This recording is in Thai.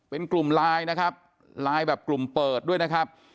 เป็นกลุ่มไลน์นะครับไลน์แบบกลุ่มเปิดด้วยนะครับ